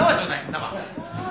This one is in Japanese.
生。